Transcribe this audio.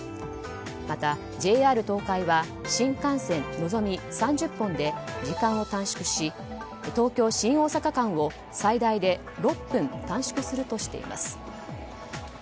また、ＪＲ東海は新幹線「のぞみ」３０本で時間を短縮し東京新大阪間を最大で６分短縮するとしています。